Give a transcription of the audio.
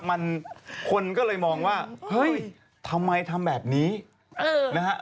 มันคนก็เลยมองว่าเฮ้ยทำไมทำแบบนี้นะฮะ